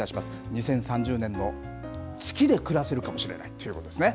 ２０３０年、月で暮らせるかもしれないということですね。